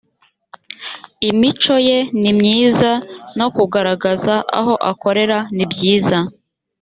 imico ye ni myiza no kugaragaza aho akorera ni byiza